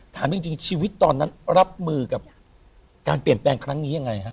ถามจริงชีวิตตอนนั้นรับมือกับการเปลี่ยนแปลงครั้งนี้ยังไงฮะ